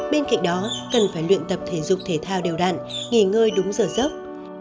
bên cạnh đó cần phải luyện tập thể dục thể thao đều đạn nghỉ ngơi đúng giờ dốc